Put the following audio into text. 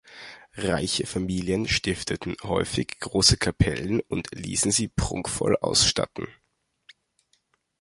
Reiche Familien stifteten häufig große Kapellen und ließen sie prunkvoll ausstatten.